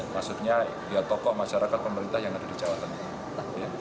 maksudnya ya tokoh masyarakat pemerintah yang ada di jawa tengah